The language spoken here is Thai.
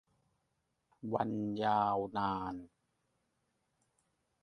วันยาวนาน